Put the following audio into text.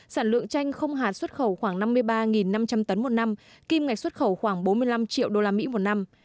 sản lượng chanh không hạt xuất khẩu khoảng năm mươi ba năm trăm linh tấn một năm kim ngạch xuất khẩu khoảng bốn mươi năm triệu usd một năm